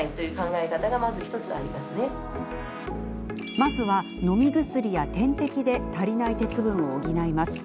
まずは、のみ薬や点滴で足りない鉄分を補います。